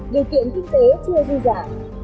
điều kiện kinh tế chưa du dạng